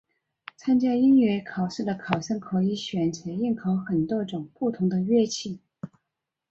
参加音乐考试的考生可以选择应考很多种不同的乐器。